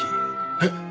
えっ？